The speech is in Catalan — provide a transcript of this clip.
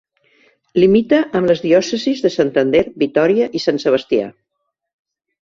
Limita amb les diòcesis de Santander, Vitòria i Sant Sebastià.